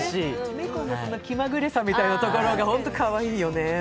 猫の気まぐれさみたいなところがホントにかわいいよね。